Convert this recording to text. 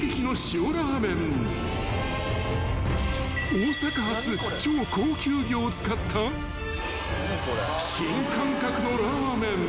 ［大阪発超高級魚を使った新感覚のラーメン］